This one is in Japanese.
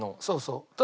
そうそう。